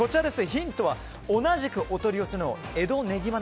ヒントは同じくお取り寄せの江戸ねぎま